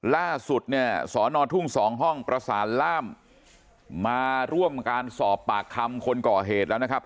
ล่าสุดเนี่ยสอนอทุ่งสองห้องประสานล่ามมาร่วมการสอบปากคำคนก่อเหตุแล้วนะครับ